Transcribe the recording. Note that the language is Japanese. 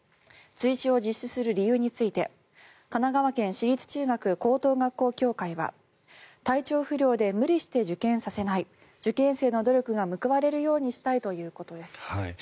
追試を実施する理由について神奈川県私立中学高等学校協会は体調不良で無理して受験させない受験生の努力が報われるようにしたいということです。